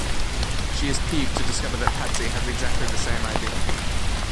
She is peeved to discover that Patsy has exactly the same idea.